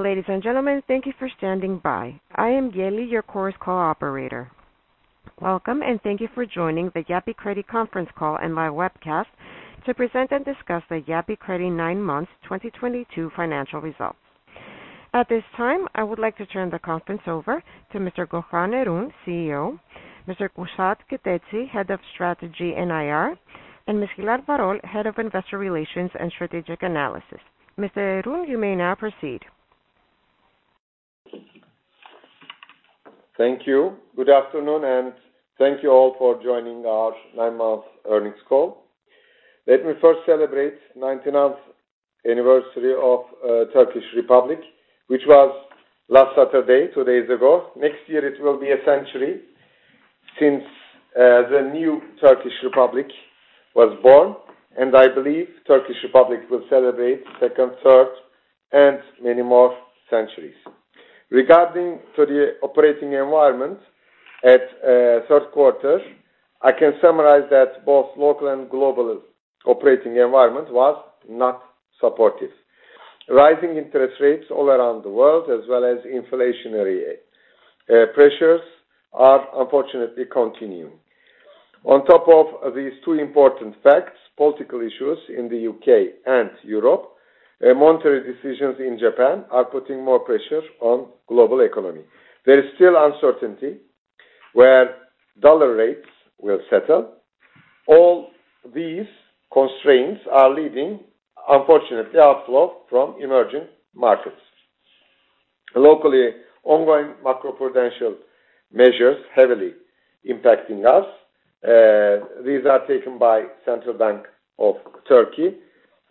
Ladies and gentlemen, thank you for standing by. I am Yeli, your conference call operator. Welcome, and thank you for joining the Yapı Kredi Conference Call and via Webcast to Present and Discuss the Yapı Kredi 9 months 2022 Financial Results. At this time, I would like to turn the conference over to Mr. Gökhan Erün, CEO, Mr. Kürşad Keteci, Head of Strategy and IR, and Ms. Hilal Varol, Head of Investor Relations and Strategic Analysis. Mr. Erün, you may now proceed. Thank you. Good afternoon, and thank you all for joining our nine-month earnings call. Let me first celebrate 99th anniversary of Turkish Republic, which was last Saturday, 2 days ago. Next year it will be a century since the new Turkish Republic was born, and I believe Turkish Republic will celebrate second, third, and many more centuries. Regarding the operating environment at third quarter, I can summarize that both local and global operating environment was not supportive. Rising interest rates all around the world as well as inflationary pressures are unfortunately continuing. On top of these two important facts, political issues in the U.K. and Europe, and monetary decisions in Japan are putting more pressure on global economy. There is still uncertainty where dollar rates will settle. All these constraints are leaving, unfortunately, outflow from emerging markets. Locally, ongoing macro-prudential measures heavily impacting us. These are taken by Central Bank of Turkey,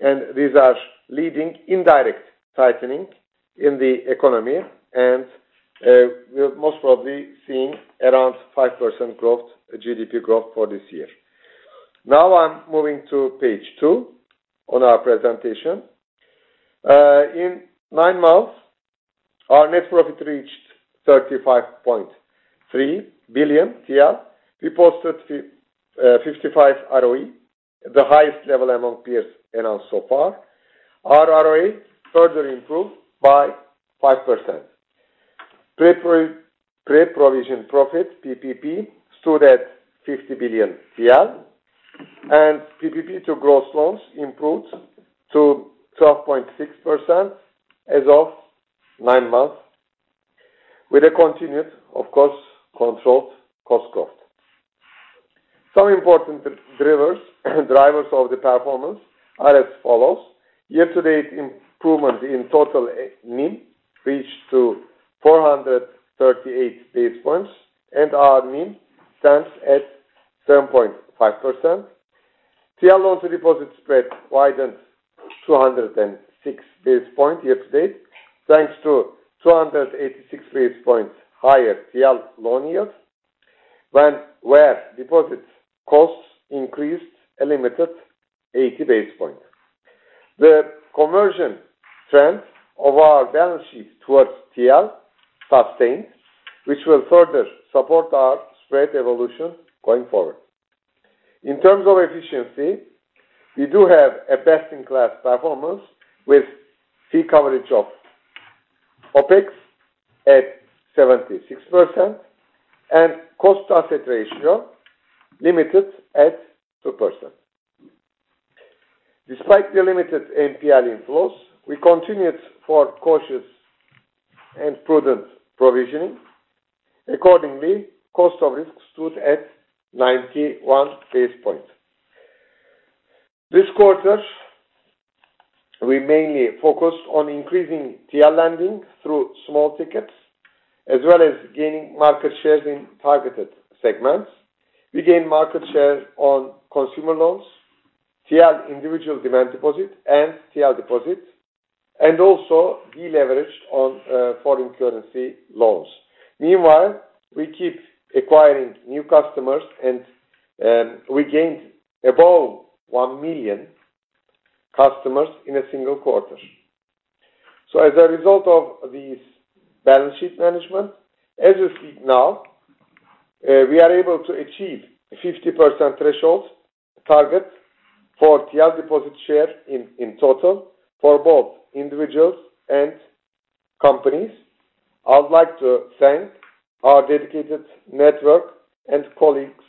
and these are leading indirect tightening in the economy. We're most probably seeing around 5% growth, GDP growth for this year. Now I'm moving to page 2 on our presentation. In 9 months, our net profit reached TL 35.3 billion. We posted 55 ROE, the highest level among peers announced so far. Our ROA further improved by 5%. Pre-provision profit, PPP, stood at TL 50 billion, and PPP to gross loans improved to 12.6% as of 9 months with a continued, of course, controlled cost growth. Some important drivers of the performance are as follows. Year to date improvement in total NIM reached to 438 basis points and our NIM stands at 7.5%. TL loan-to-deposit spread widened 206 basis points year to date, thanks to 286 basis points higher TL loan yield, where deposit costs increased a limited 80 basis points. The conversion trend of our balance sheet towards TL sustained, which will further support our spread evolution going forward. In terms of efficiency, we do have a best-in-class performance with fee coverage of OpEx at 76% and cost-to-asset ratio limited at 2%. Despite the limited NPL inflows, we continued for cautious and prudent provisioning. Accordingly, cost of risk stood at 91 basis points. This quarter, we mainly focused on increasing TL lending through small tickets as well as gaining market shares in targeted segments. We gained market share on consumer loans, TL individual demand deposit, and TL deposits, and also deleveraged on foreign currency loans. Meanwhile, we keep acquiring new customers and we gained above 1 million customers in a single quarter. As a result of this balance sheet management, as you see now, we are able to achieve 50% threshold target for TL deposit share in total for both individuals and companies. I would like to thank our dedicated network and colleagues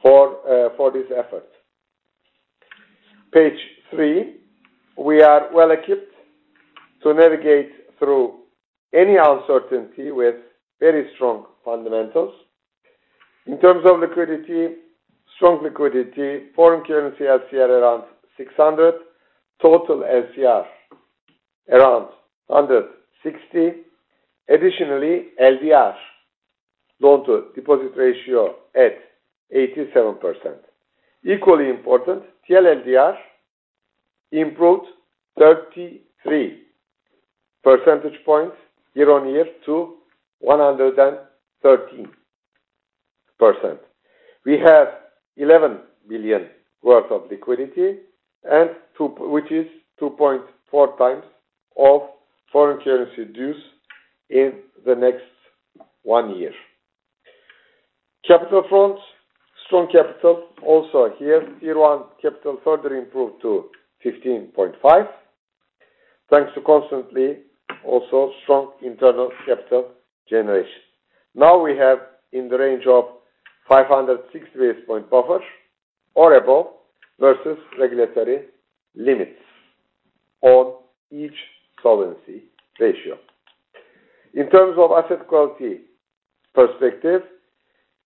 for this effort. Page three, we are well equipped to navigate through any uncertainty with very strong fundamentals. In terms of liquidity, strong liquidity, foreign currency LCR around 600, total LCR around 160. Additionally, LDR, loan-to-deposit ratio at 87%. Equally important, TL LDR improved 33 percentage points year-on-year to 113%. We have TL 11 billion worth of liquidity, which is 2.4 times of foreign currency dues in the next one year. Capital front, strong capital also here. Tier 1 capital further improved to 15.5%, thanks to constantly also strong internal capital generation. Now we have in the range of 506 basis points buffer or above versus regulatory limits on each solvency ratio. In terms of asset quality perspective,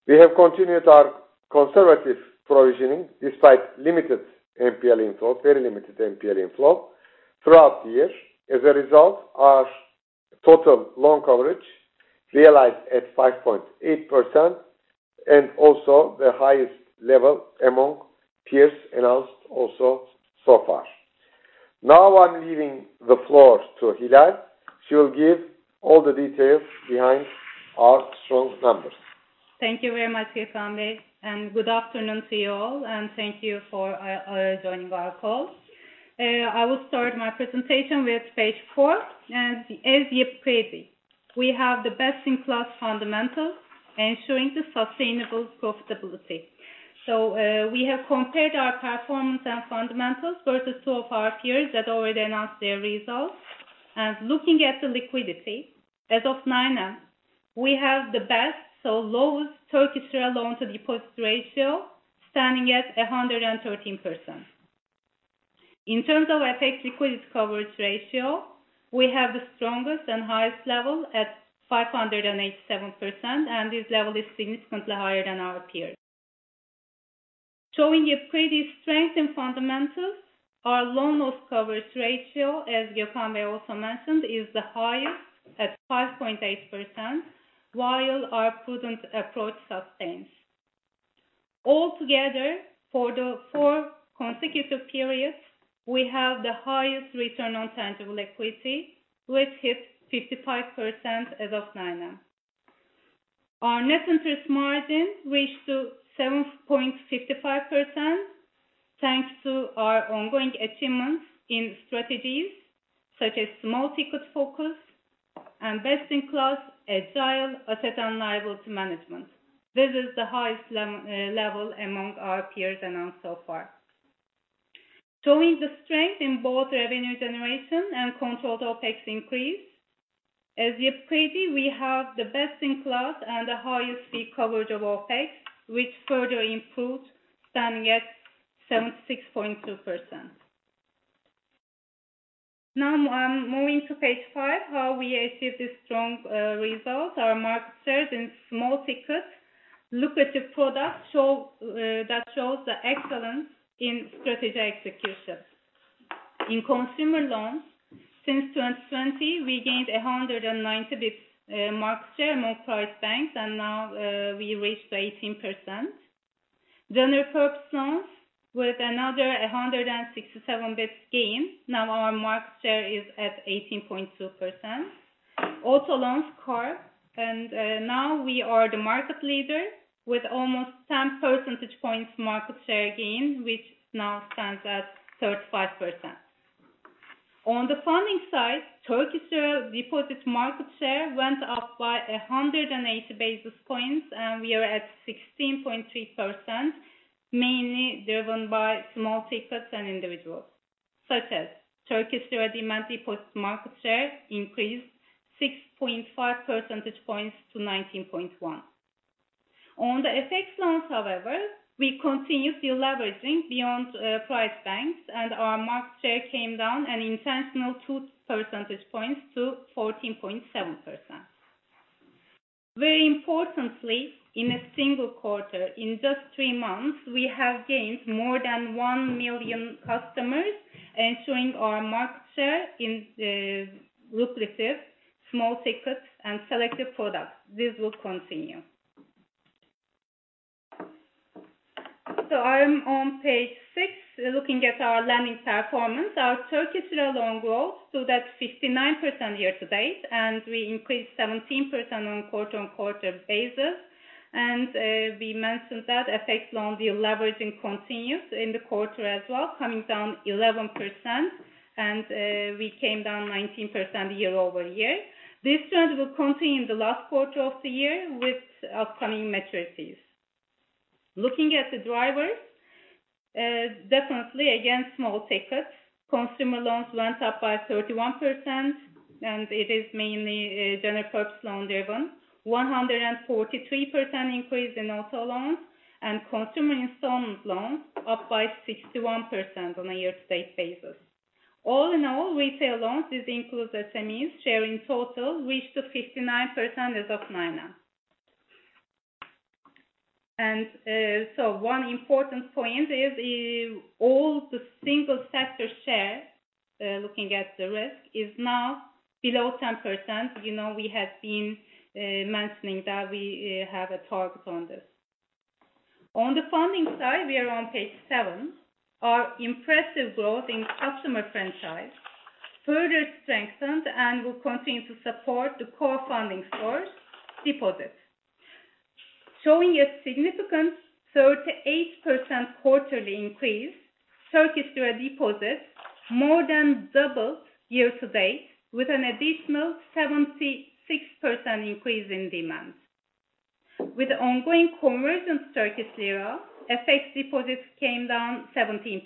we have continued our conservative provisioning despite limited NPL inflow, very limited NPL inflow throughout the year. As a result, our total loan coverage realized at 5.8% and also the highest level among peers announced also so far. Now I'm leaving the floor to Hilal. She'll give all the details behind our strong numbers. Thank you very much, Gökhan Bey, and good afternoon to you all, and thank you for joining our call. I will start my presentation with page four. As you see, we have the best-in-class fundamentals ensuring the sustainable profitability. We have compared our performance and fundamentals versus two of our peers that already announced their results. Looking at the liquidity, as of 9M end, we have the best, so lowest Turkish lira loan-to-deposit ratio standing at 113%. In terms of FX liquidity coverage ratio, we have the strongest and highest level at 587%, and this level is significantly higher than our peers. Showing a pretty strength in fundamentals, our loan loss coverage ratio, as Gökhan Bey also mentioned, is the highest at 5.8%, while our prudent approach sustains. All together for the 4 consecutive periods, we have the highest return on tangible equity, which hit 55% as of 9M end. Our net interest margin reached to 7.55%, thanks to our ongoing achievements in strategies such as multi-product focus and best-in-class agile asset and liability management. This is the highest level among our peers announced so far. Showing the strength in both revenue generation and controlled OpEx increase. As you see, we have the best-in-class and the highest fee coverage of OpEx, which further improved, standing at 76.2%. Now, I'm moving to page 5, how we achieved this strong result. Our market shares in small tickets lucrative products show the excellence in strategy execution. In consumer loans, since 2020, we gained 190 basis points market share among private banks, and now we reached 18%. General purpose loans with another 167 basis points gain. Now our market share is at 18.2%. Auto loans, now we are the market leader with almost 10 percentage points market share gain, which now stands at 35%. On the funding side, Turkish lira deposit market share went up by 180 basis points and we are at 16.3%, mainly driven by small tickets and individuals, such as Turkish lira demand deposit market share increased 6.5 percentage points to 19.1. On the FX loans, however, we continue de-leveraging beyond private banks and our market share came down intentionally 2 percentage points to 14.7%. Very importantly, in a single quarter, in just three months, we have gained more than 1 million customers ensuring our market share in the lucrative small tickets and selected products. This will continue. I'm on page six. Looking at our lending performance. Our Turkish lira loan growth, so that's 59% year-to-date, and we increased 17% on quarter-over-quarter basis. We mentioned that FX loan deleveraging continues in the quarter as well, coming down 11% and we came down 19% year-over-year. This trend will continue in the last quarter of the year with upcoming maturities. Looking at the drivers, definitely again, small tickets. Consumer loans went up by 31% and it is mainly general purpose loan-driven. 143% increase in auto loans and consumer installment loans up by 61% on a year-to-date basis. All in all, retail loans, this includes SMEs share in total, reached to 59% as of 9M end. One important point is all the single sector share looking at the risk is now below 10%. You know, we have been mentioning that we have a target on this. On the funding side, we are on page seven. Our impressive growth in customer franchise further strengthened and will continue to support the core funding source deposit. Showing a significant 38% quarterly increase. Turkish lira deposits more than doubled year-to-date with an additional 76% increase in demand deposits. With the ongoing conversion to Turkish lira, FX deposits came down 17%.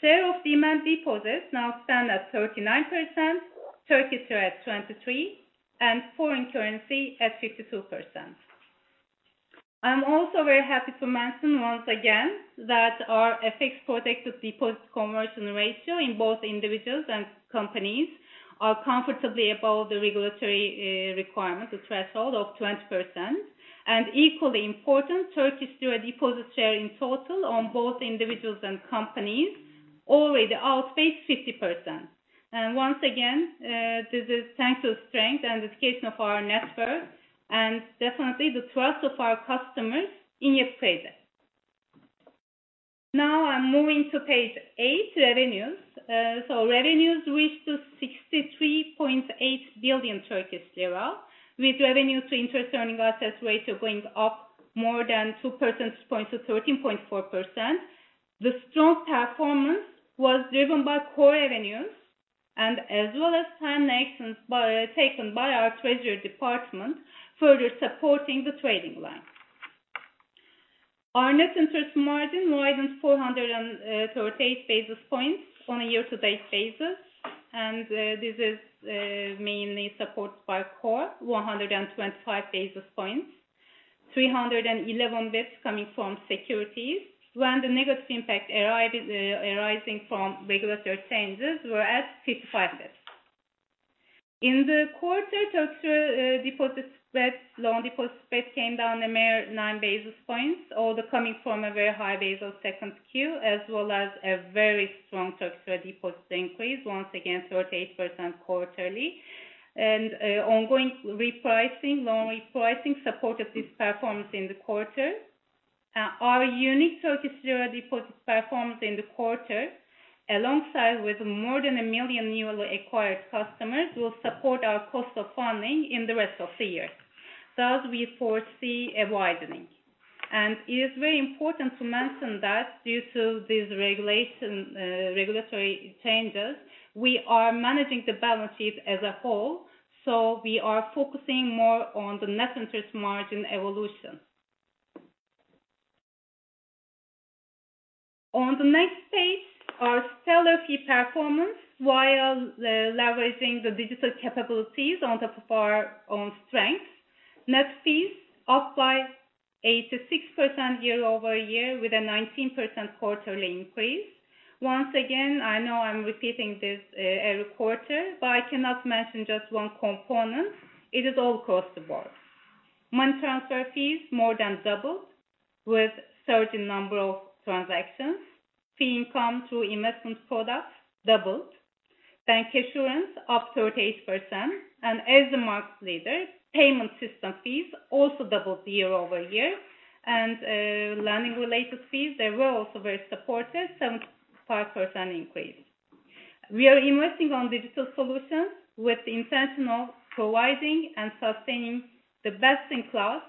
Share of demand deposits now stand at 39%, Turkish lira at 23%, and foreign currency at 52%. I'm also very happy to mention once again that our FX protected deposit conversion ratio in both individuals and companies are comfortably above the regulatory requirement, the threshold of 20%. Equally important, Turkish lira deposit share in total on both individuals and companies already outpaced 50%. Once again, this is thanks to strength and the scale of our network and definitely the trust of our customers in Yapı Kredi. Now I'm moving to page 8, revenues. Revenues reached to TL 63.8 billion, with revenue to interest earning assets ratio going up more than 2% to 13.4%. The strong performance was driven by core revenues and as well as timely actions taken by our treasury department further supporting the trading line. Our net interest margin widened 438 basis points on a year-to-date basis, and this is mainly supported by core 125 basis points. 311 basis points coming from securities when the negative impact arising from regulatory changes were at 55 basis points. In the quarter, Turkish lira deposit spread, loan deposit spread came down a mere 9 basis points, although coming from a very high base of second Q, as well as a very strong Turkish lira deposit increase, once again, 38% quarterly. Ongoing repricing, loan repricing supported this performance in the quarter. Our unique Turkish lira deposit performance in the quarter, alongside with more than 1 million newly acquired customers, will support our cost of funding in the rest of the year. Thus, we foresee a widening. It is very important to mention that due to these regulations, regulatory changes, we are managing the balances as a whole, so we are focusing more on the net interest margin evolution. On the next page, our stellar fee performance while leveraging the digital capabilities on top of our own strengths. Net fees up by 86% year-over-year with a 19% quarterly increase. Once again, I know I'm repeating this, every quarter, but I cannot mention just one component. It is all across the board. Money transfer fees more than doubled with certain number of transactions. Fee income through investment products doubled. Bank insurance up 38%. As a market leader, payment system fees also doubled year-over-year. Lending related fees, they were also very supportive, 75% increase. We are investing on digital solutions with the intention of providing and sustaining the best-in-class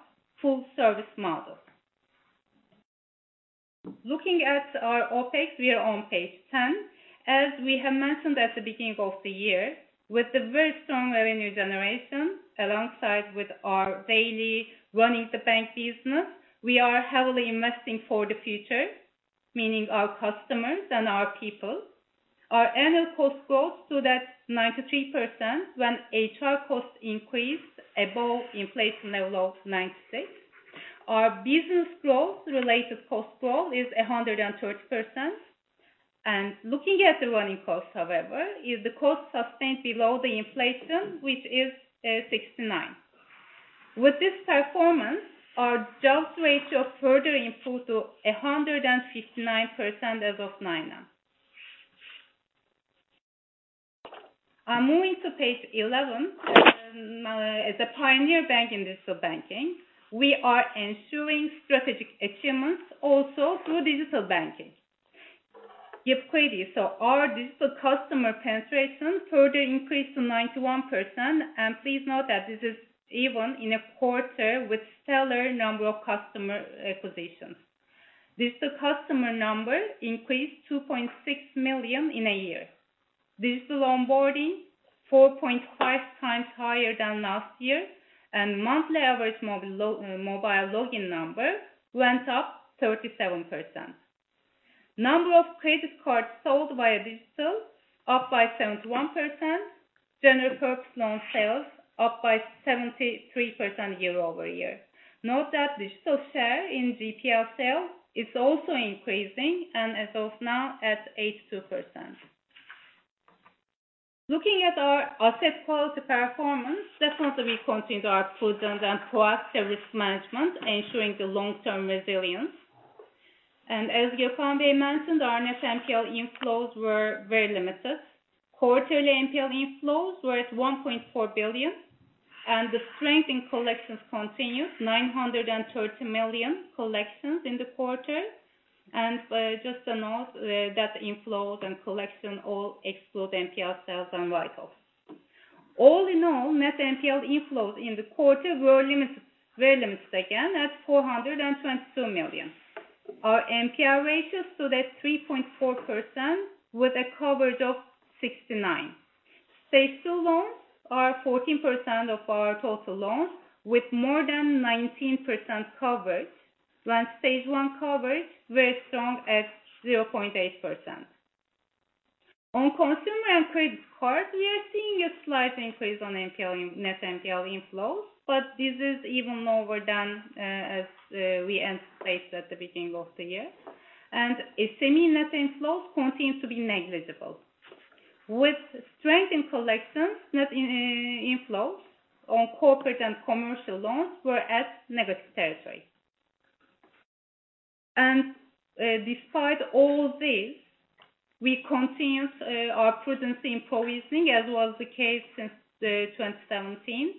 full service model. Looking at our OpEx, we are on page ten. As we have mentioned at the beginning of the year, with the very strong revenue generation, alongside with our daily running the bank business, we are heavily investing for the future, meaning our customers and our people. Our annual cost growth stood at 93% when HR costs increased above inflation level of 96%. Our business growth related cost growth is 130%. Looking at the running costs however, is the costs sustained below the inflation, which is 69%. With this performance, our LDR further improved to 159% as of 9M. I'm moving to page 11. As a pioneer bank in digital banking, we are ensuring strategic achievements also through digital banking. Yapı Kredi. Our digital customer penetration further increased to 91%. Please note that this is even in a quarter with stellar number of customer acquisitions. Digital customer number increased 2.6 million in a year. Digital onboarding 4.5 times higher than last year. Monthly average mobile login number went up 37%. Number of credit cards sold via digital up by 71%. General purpose loan sales up by 73% year-over-year. Note that digital share in GPL sales is also increasing, and as of now, at 82%. Looking at our asset quality performance, definitely we continued our prudent and proactive risk management, ensuring the long-term resilience. As Gökhan Bey mentioned, our NPL inflows were very limited. Quarterly NPL inflows were at TL 1.4 billion. The strength in collections continued, TL 930 million collections in the quarter. Just a note that inflows and collection all exclude NPL sales and write-offs. All in all, net NPL inflows in the quarter were limited again at TL 422 million. Our NPL ratio stood at 3.4% with a coverage of 69%. Stage 2 loans are 14% of our total loans, with more than 19% coverage, when Stage 1 coverage were strong at 0.8%. On consumer and credit card, we are seeing a slight increase on NPL in net NPL inflows, but this is even lower than we anticipated at the beginning of the year. SME net inflows continues to be negligible. With strength in collections, net inflows on corporate and commercial loans were at negative territory. Despite all this, we continued our prudence in provisioning, as was the case since 2017.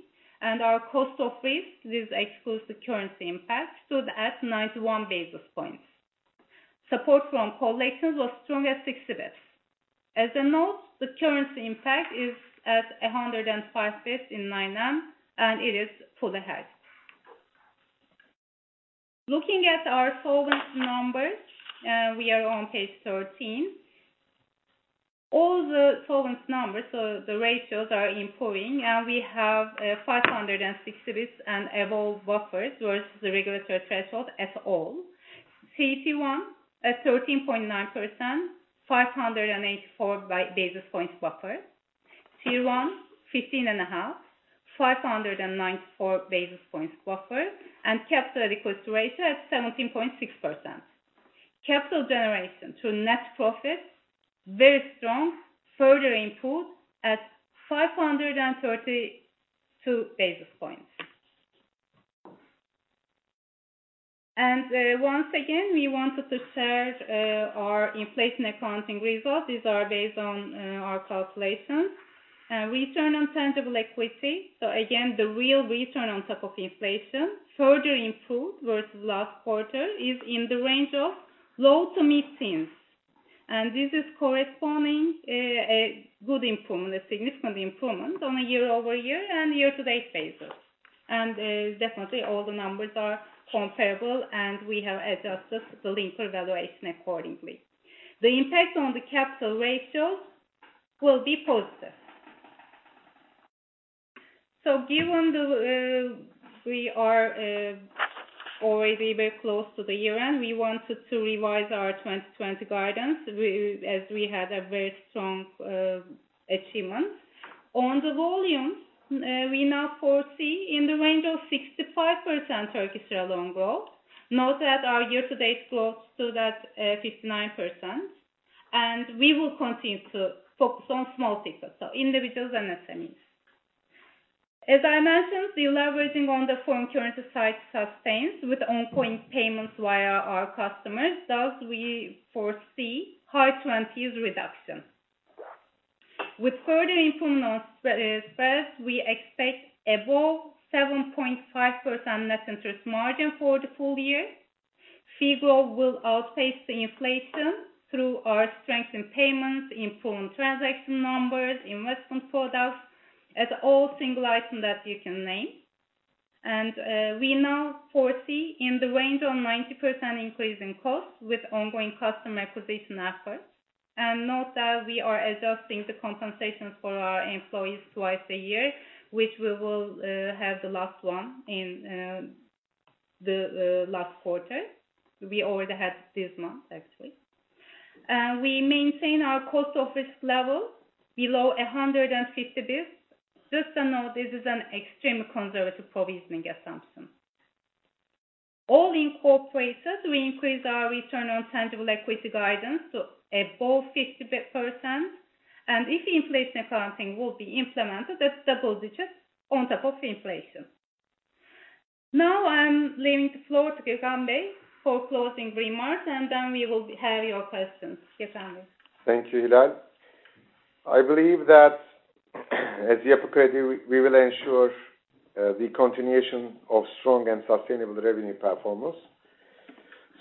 Our cost of risk, this excludes the currency impact, stood at 91 basis points. Support from collections was strong at 60 basis points. As a note, the currency impact is at 105 basis points in 9M, and it is full-year. Looking at our solvency numbers, we are on page 13. All the solvency numbers, so the ratios are improving, and we have 560 basis points and above buffers versus the regulatory threshold at all. CET1 at 13.9%, 584 basis points buffer. Tier 1, 15.5, 594 basis points buffer, and Capital Adequacy Ratio at 17.6%. Capital generation to net profits, very strong, further improved at 532 basis points. Once again, we wanted to share our inflation accounting results. These are based on our calculations. Return on tangible equity. Again, the real return on top of inflation further improved versus last quarter, is in the range of low- to mid-teens. This corresponds to a good improvement, a significant improvement on a year-over-year and year-to-date basis. Definitely all the numbers are comparable, and we have adjusted the link for valuation accordingly. The impact on the capital ratios will be positive. Given the we are already very close to the year-end, we wanted to revise our 2020 guidance as we had a very strong achievement. On the volumes, we now foresee in the range of 65% Turkish lira loan growth. Note that our year-to-date growth stood at 59%, and we will continue to focus on small tickets, so individuals and SMEs. As I mentioned, the leveraging on the foreign currency side sustains with ongoing payments via our customers, thus we foresee high twenties reduction. With further improvement on spreads, we expect above 7.5% net interest margin for the full year. Fee growth will outpace the inflation through our strength in payments, improved transaction numbers, investment products, and all such items that you can name. We now foresee in the range of 90% increase in costs with ongoing customer acquisition efforts. Note that we are adjusting the compensations for our employees twice a year, which we will have the last one in the last quarter. We already had this month, actually. We maintain our cost of risk level below 150 basis points. Just to note, this is an extremely conservative provisioning assumption. All incorporated, we increased our return on tangible equity guidance to above 50%. If the inflation accounting will be implemented, that's double digits on top of inflation. Now I'm leaving the floor to Gökhan Bey for closing remarks, and then we will hear your questions. Gökhan Bey. Thank you, Hilal. I believe that as Yapı Kredi, we will ensure the continuation of strong and sustainable revenue performance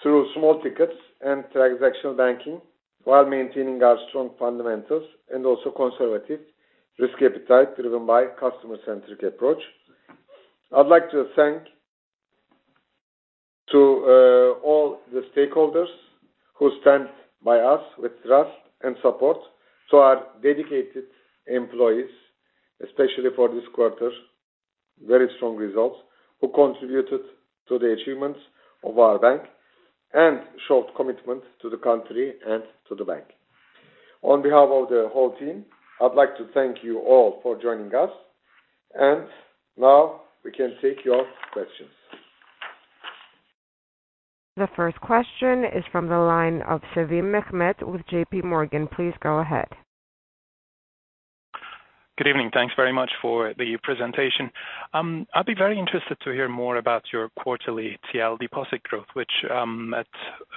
through small tickets and transactional banking while maintaining our strong fundamentals and also conservative risk appetite driven by customer-centric approach. I'd like to thank to all the stakeholders who stand by us with trust and support, to our dedicated employees, especially for this quarter, very strong results, who contributed to the achievements of our bank and showed commitment to the country and to the bank. On behalf of the whole team, I'd like to thank you all for joining us. Now we can take your questions. The first question is from the line of Mehmet Sevim with JPMorgan. Please go ahead. Good evening. Thanks very much for the presentation. I'd be very interested to hear more about your quarterly TL deposit growth, which, at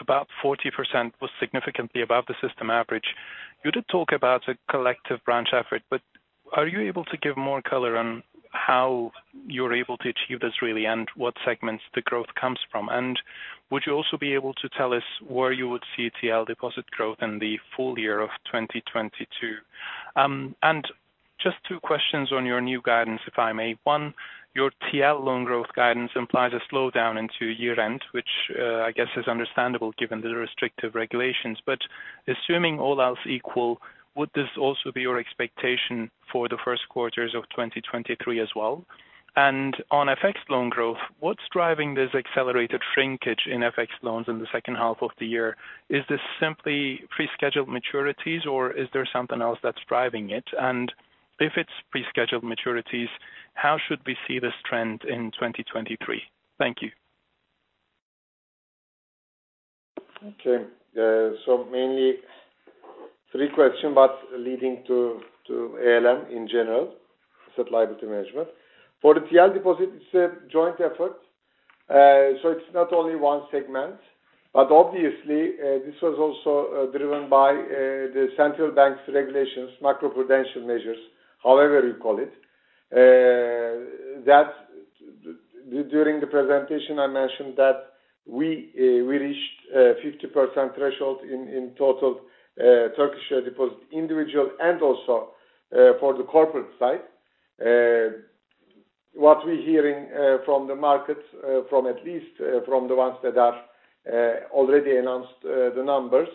about 40% was significantly above the system average. You did talk about a collective branch effort, but are you able to give more color on how you're able to achieve this really, and what segments the growth comes from. Would you also be able to tell us where you would see TL deposit growth in the full year of 2022? And just two questions on your new guidance, if I may. One, your TL loan growth guidance implies a slowdown into year-end, which, I guess is understandable given the restrictive regulations. Assuming all else equal, would this also be your expectation for the first quarters of 2023 as well? On FX loan growth, what's driving this accelerated shrinkage in FX loans in the second half of the year? Is this simply prescheduled maturities or is there something else that's driving it? If it's prescheduled maturities, how should we see this trend in 2023? Thank you. Okay. Mainly three questions, but leading to ALM in general, asset liability management. For the TL deposit, it's a joint effort. It's not only one segment, but obviously this was also driven by the central bank's regulations, macroprudential measures, however you call it. During the presentation, I mentioned that we reached 50% threshold in total Turkish lira deposits, individual and also for the corporate side. What we're hearing from the markets, from at least the ones that have already announced the numbers,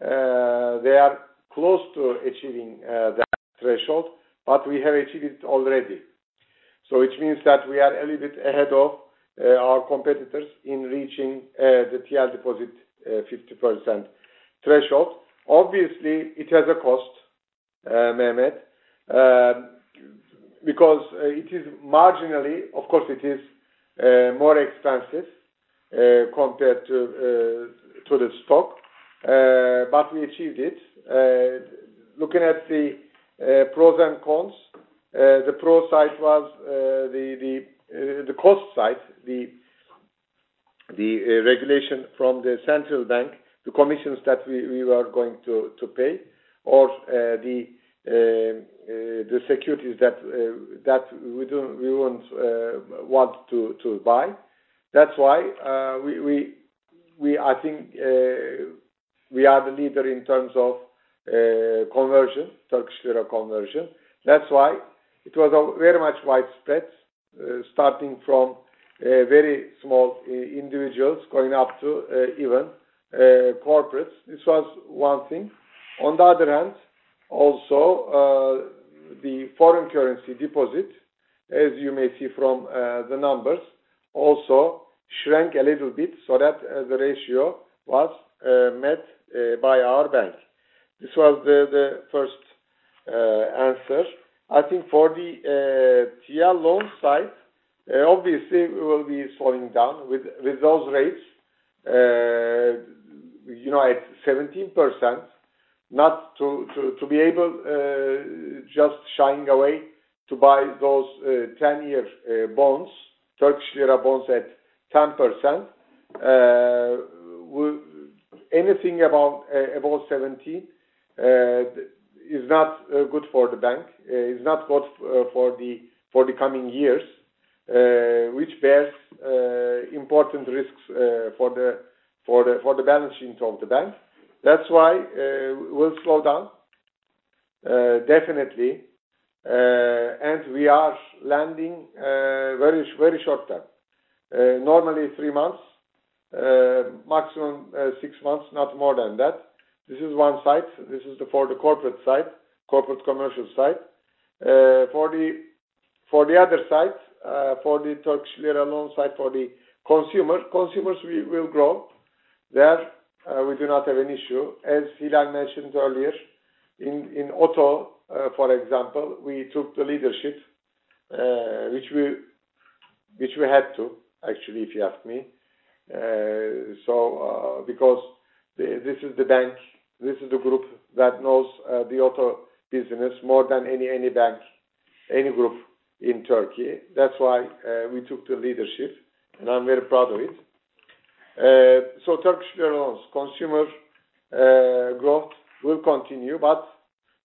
they are close to achieving that threshold, but we have achieved it already. Which means that we are a little bit ahead of our competitors in reaching the TL deposit 50% threshold. Obviously, it has a cost, Mehmet, because it is materially, of course it is, more expensive compared to the stock, but we achieved it. Looking at the pros and cons, the pro side was the cost side, the regulation from the central bank to commissions that we were going to pay or the securities that we don't want to buy. That's why I think we are the leader in terms of conversion, Turkish euro conversion. That's why it was very much widespread starting from very small individuals going up to even corporates. This was one thing. On the other hand, also, the foreign currency deposit, as you may see from the numbers, also shrank a little bit so that the ratio was met by our bank. This was the first answer. I think for the TL loan side, obviously we will be slowing down with those rates, you know, at 17%, not to be able just shying away to buy those ten-year bonds, Turkish lira bonds at 10%. Anything above 70% is not good for the bank, is not good for the balance sheet of the bank. That's why we'll slow down definitely. We are lending very short term. Normally three months, maximum, six months, not more than that. This is one side. This is for the corporate side, corporate commercial side. For the other side, for the Turkish lira loan side for the consumer, consumers we will grow. There, we do not have an issue. As Hilal Varol mentioned earlier in auto, for example, we took the leadership, which we had to actually, if you ask me. Because this is the bank, this is the group that knows the auto business more than any bank, any group in Turkey. That's why we took the leadership, and I'm very proud of it. Turkish lira loans, consumer growth will continue.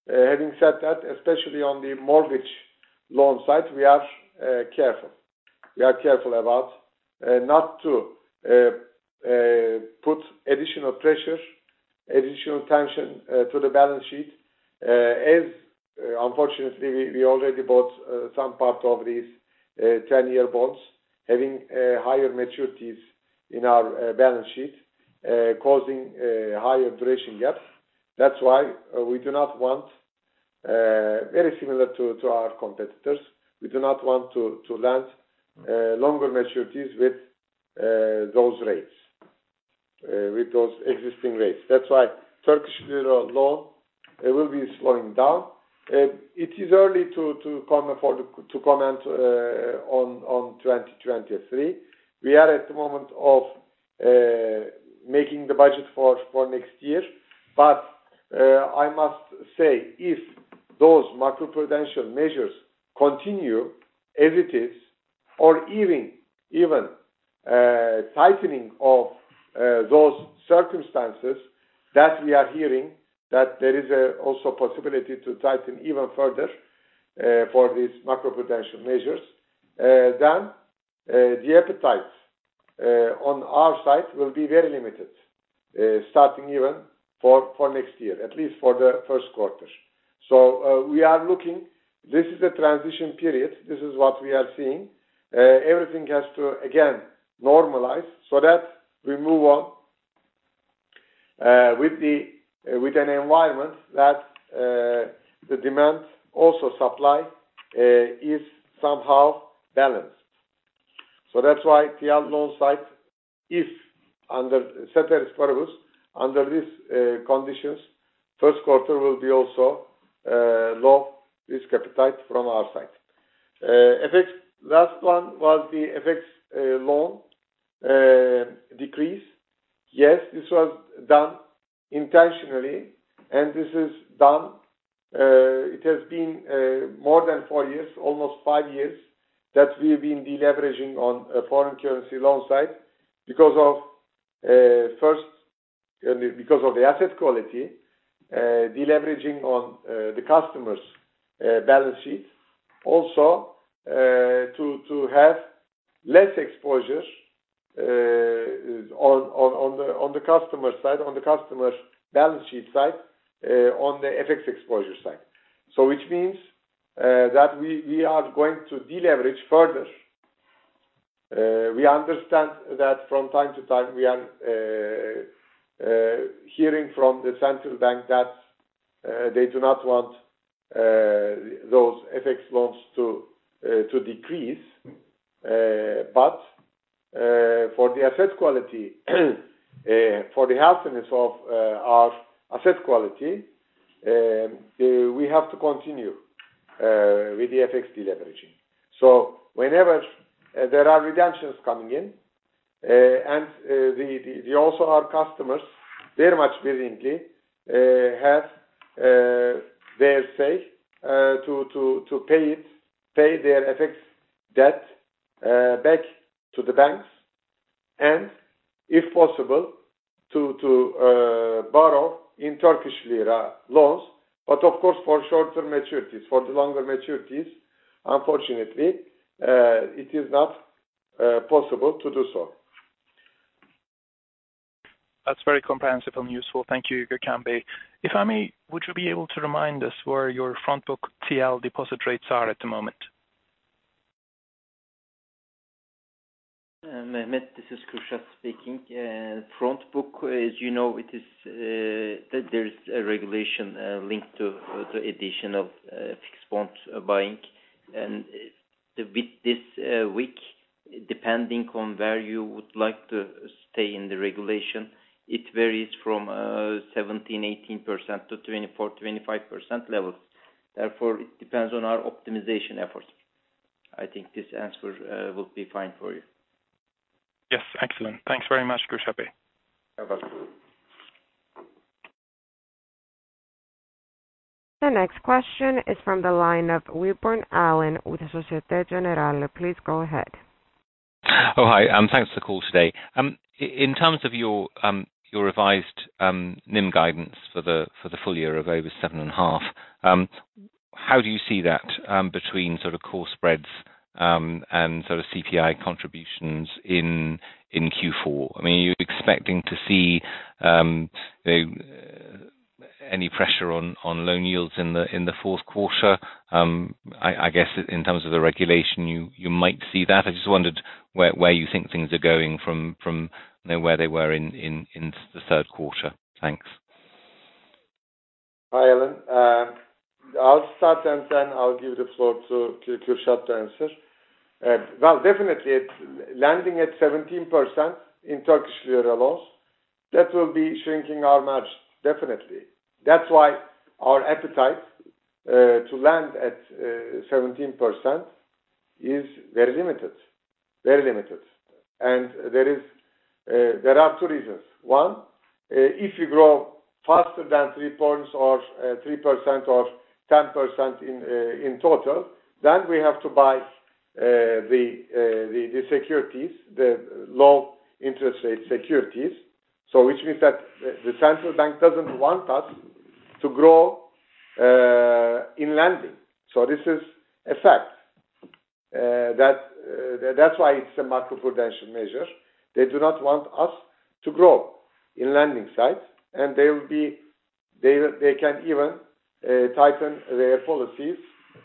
Having said that, especially on the mortgage loan side, we are careful. We are careful about not to put additional pressure, additional tension to the balance sheet. As unfortunately, we already bought some part of these 10-year bonds having higher maturities in our balance sheet, causing higher duration gaps. That's why, very similar to our competitors, we do not want to lend longer maturities with those rates, with those existing rates. That's why Turkish lira loan, it will be slowing down. It is early to comment on 2023. We are at the moment of making the budget for next year. I must say if those macroprudential measures continue as it is or even tightening of those circumstances that we are hearing, that there is also possibility to tighten even further for these macroprudential measures. The appetite on our side will be very limited starting even for next year, at least for the first quarter. We are looking. This is a transition period. This is what we are seeing. Everything has to again normalize so that we move on with an environment that the demand and supply is somehow balanced. That's why TL loan side is, under ceteris paribus, under these conditions. First quarter will also be low risk appetite from our side. FX. Last one was the FX loan decrease. Yes, this was done intentionally, and this is done. It has been more than four years, almost five years, that we've been de-leveraging on a foreign currency loan side because of first because of the asset quality, de-leveraging on the customer's balance sheet also, to have less exposure on the customer side, on the customer's balance sheet side, on the FX exposure side. Which means that we are going to de-leveraging further. We understand that from time to time we are hearing from the central bank that they do not want those FX loans to decrease. For the asset quality, for the healthiness of our asset quality, we have to continue with the FX de-leveraging. Whenever there are redemptions coming in, also our customers very much willingly have their say to pay their FX debt back to the banks, and if possible, to borrow in Turkish lira loans. Of course, for shorter maturities. For the longer maturities, unfortunately, it is not possible to do so. That's very comprehensive and useful. Thank you, Gökhan Bey. If I may, would you be able to remind us where your front book TL deposit rates are at the moment? Mehmet, this is Kürşad speaking. Front book, as you know it is, there's a regulation linked to addition of fixed bonds buying. With this week, depending on where you would like to stay in the regulation, it varies from 17%-18% to 24%-25% levels. Therefore, it depends on our optimization efforts. I think this answer will be fine for you. Yes. Excellent. Thanks very much, Kürşad Bey. You're welcome. The next question is from the line of Alan Webborn with Société Générale. Please go ahead. Oh, hi. Thanks for the call today. In terms of your revised NIM guidance for the full year of over 7.5%, how do you see that between sort of core spreads and sort of CPI contributions in Q4? I mean, are you expecting to see any pressure on loan yields in the fourth quarter? I guess in terms of the regulation, you might see that. I just wondered where you think things are going from where they were in the third quarter. Thanks. Hi, Alan. I'll start, and then I'll give the floor to Kürşad to answer. Well, definitely it's lending at 17% in Turkish lira loans. That will be shrinking our margin, definitely. That's why our appetite to lend at 17% is very limited. Very limited. There are two reasons. One, if you grow faster than three points or 3% or 10% in total, then we have to buy the low interest rate securities. Which means that the central bank doesn't want us to grow in lending. This is a fact. That's why it's a macro-prudential measure. They do not want us to grow in lending side, and they will be. They can even tighten their policies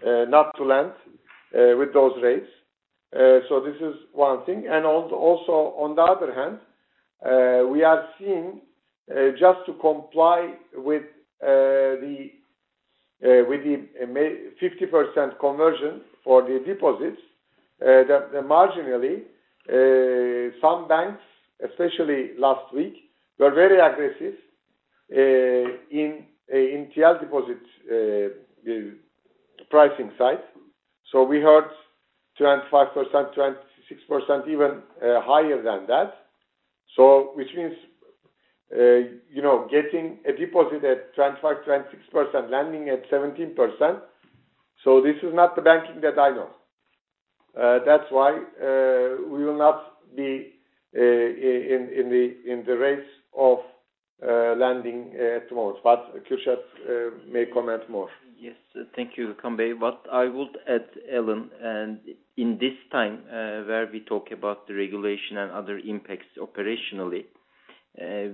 not to lend with those rates. This is one thing. Also on the other hand, we are seeing just to comply with the mandatory 50% conversion for the deposits, that marginally some banks, especially last week, were very aggressive in TL deposits pricing side. We heard 25%, 26%, even higher than that. Which means, you know, getting a deposit at 25%, 26%, lending at 17%. This is not the banking that I know. That's why we will not be in the race of lending at the moment. Kürşat may comment more. Yes. Thank you, Gökhan Bey. What I would add, Alan, and in this time, where we talk about the regulation and other impacts operationally,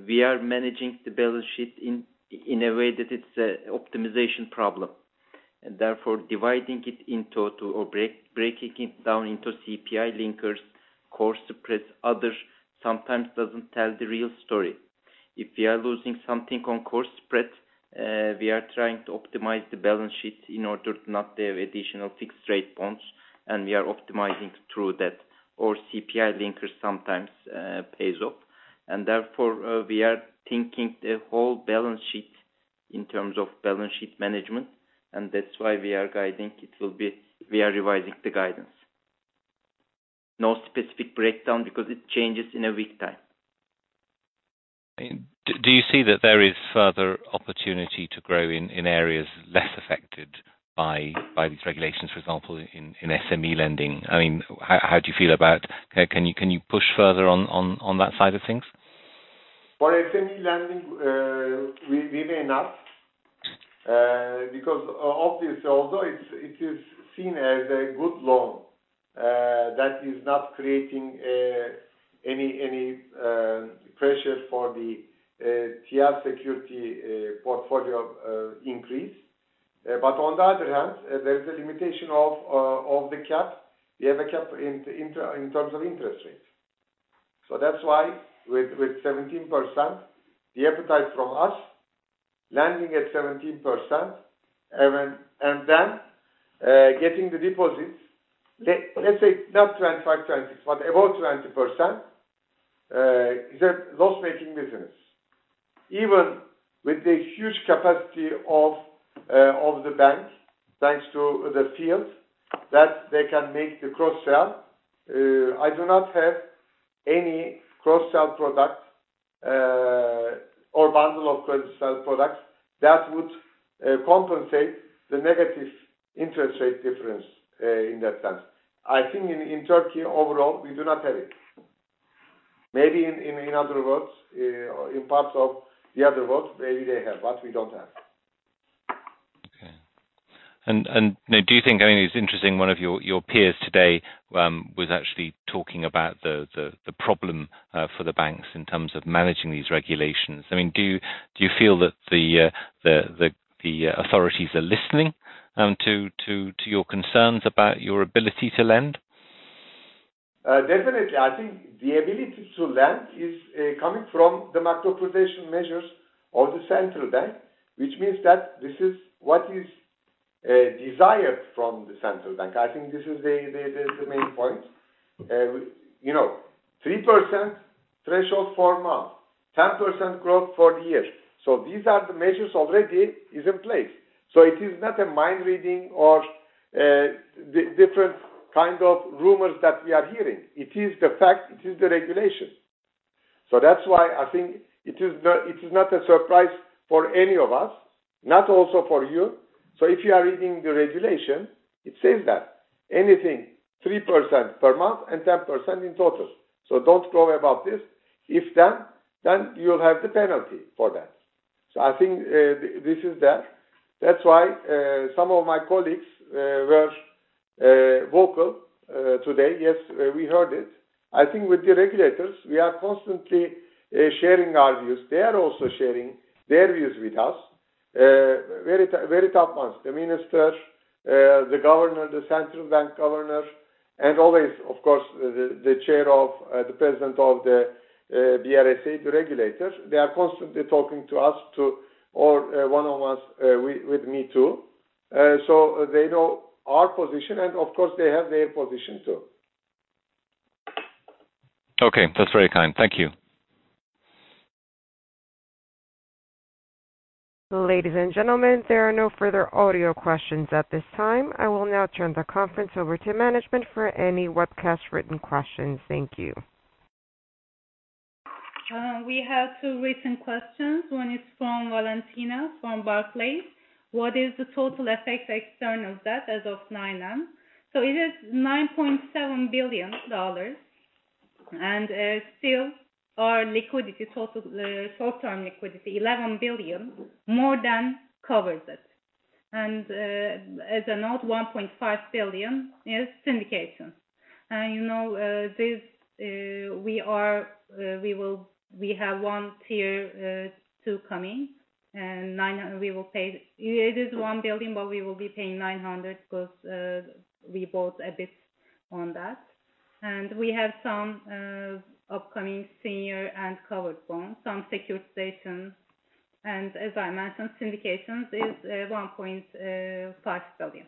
we are managing the balance sheet in a way that it's a optimization problem. Therefore, breaking it down into CPI linkers, core spreads, others sometimes doesn't tell the real story. If we are losing something on core spread, we are trying to optimize the balance sheet in order to not have additional fixed rate bonds, and we are optimizing through that, or CPI linker sometimes pays off. Therefore, we are thinking the whole balance sheet in terms of balance sheet management, and that's why we are guiding. We are revising the guidance. No specific breakdown because it changes in a week time. Do you see that there is further opportunity to grow in areas less affected by these regulations, for example, in SME lending? I mean, can you push further on that side of things? For SME lending, we may not, because obviously, although it is seen as a good loan, that is not creating any pressure for the TL security portfolio increase. On the other hand, there's a limitation of the cap. We have a cap in terms of interest rates. That's why with 17%, the appetite for our lending at 17% and then getting the deposits, let's say not 25-26, but about 20%, is a loss-making business. Even with the huge capacity of the bank, thanks to the field that they can make the cross-sell, I do not have any cross-sell products or bundle of cross-sell products that would compensate the negative interest rate difference in that sense. I think in Turkey overall, we do not have it. Maybe in other worlds, or in parts of the other worlds, maybe they have, but we don't have. Okay. Now do you think, I mean, it's interesting one of your peers today was actually talking about the problem for the banks in terms of managing these regulations. I mean, do you feel that the authorities are listening to your concerns about your ability to lend? Definitely. I think the ability to lend is coming from the macroprudential measures of the central bank, which means that this is what is desired from the central bank. I think this is the main point. You know, 3% threshold for a month, 10% growth for the year. These are the measures already is in place. It is not a mind reading or the different kind of rumors that we are hearing. It is the fact, it is the regulation. That's why I think it is not a surprise for any of us, not also for you. If you are reading the regulation, it says that. Anything 3% per month and 10% in total. Don't worry about this. If then, you'll have the penalty for that. I think this is that. That's why some of my colleagues were vocal today. Yes, we heard it. I think with the regulators, we are constantly sharing our views. They are also sharing their views with us. Very tough ones. The minister, the governor, the central bank governor, and always, of course, the Chairman of the BRSA, the regulators. They are constantly talking to us or one-on-ones with me too. They know our position and of course, they have their position too. Okay. That's very kind. Thank you. Ladies and gentlemen, there are no further audio questions at this time. I will now turn the conference over to management for any webcast written questions. Thank you. We have two recent questions. One is from Valentina from Barclays. What is the total external debt as of year-end? So it is $9.7 billion. Our total short-term liquidity, $11 billion, more than covers it. As a note, $1.5 billion is syndication. You know, we have one Tier 2 coming. It is $1 billion, but we will be paying $900 'cause we bought a bit on that. We have some upcoming senior and covered bonds, some securitizations. As I mentioned, syndications is $1.5 billion.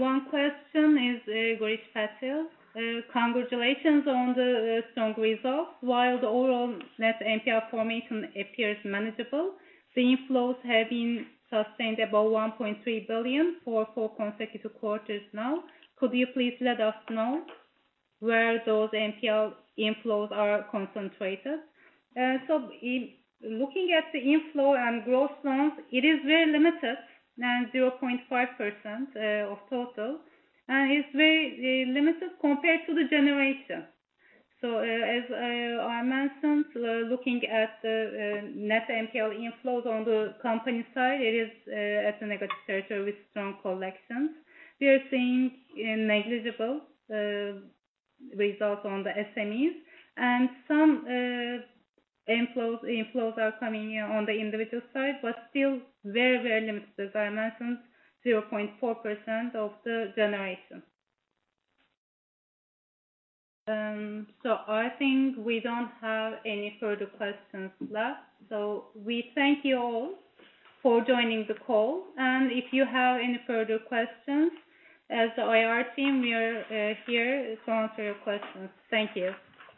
One question is from Goris Patel. Congratulations on the strong results. While the overall net NPL formation appears manageable, the inflows have been sustained above TL 1.3 billion for four consecutive quarters now. Could you please let us know where those NPL inflows are concentrated? In looking at the inflow and growth loans, it is very limited, 0.5% of total, and it's very limited compared to the generation. As I mentioned, looking at the net NPL inflows on the company side, it is at the negative territory with strong collections. We are seeing a negligible results on the SMEs. Some inflows are coming in on the individual side, but still very, very limited. As I mentioned, 0.4% of the generation. I think we don't have any further questions left. We thank you all for joining the call. If you have any further questions, as the IR team, we are here to answer your questions. Thank you.